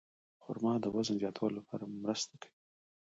خرما د وزن زیاتولو لپاره مرسته کوي.